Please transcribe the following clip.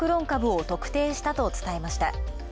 株を特定したと伝えました。